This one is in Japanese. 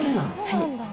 はい。